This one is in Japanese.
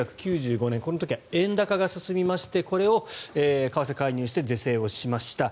この時は円高が進みましてこれを為替介入して是正しました。